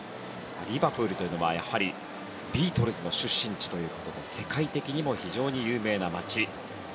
リバプールというのはやはりビートルズの出身地ということで世界的にも非常に有名な街。